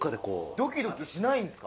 ドキドキしないんですか？